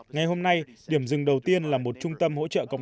ngày hôm nay điểm dừng đầu tiên là một trung tâm hỗ trợ cộng